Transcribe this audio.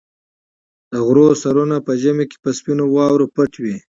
د غره سرونه په ژمي کې په سپینو واورو پټ وي.